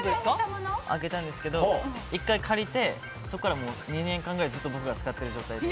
あげたんですけど１回借りて、そこから２年間くらいずっと僕が使っている状態で。